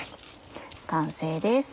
完成です。